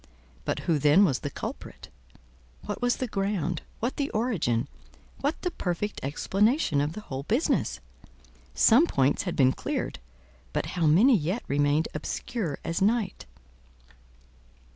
But who then was the culprit? What was the ground—what the origin—what the perfect explanation of the whole business? Some points had been cleared, but how many yet remained obscure as night!